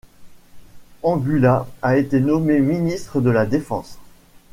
Angula a été nommée ministre de la Défense.